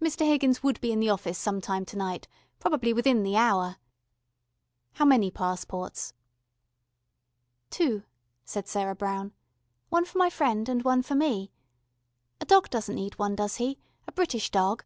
Mr. Higgins would be in the office sometime to night, probably within the hour. How many passports? "Two," said Sarah Brown. "One for my friend and one for me. A dog doesn't need one, does he a British dog?